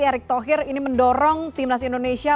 erick thohir ini mendorong timnas indonesia